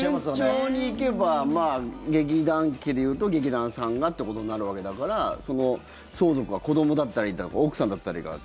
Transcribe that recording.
順調にいけば劇団家でいうと劇団さんがということになるわけだから相続は子どもだったり奥さんだったりが。